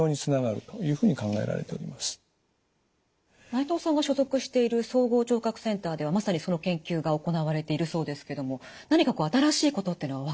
内藤さんが所属している総合聴覚センターではまさにその研究が行われているそうですけども何か新しいことというのは分かってきてるんですか？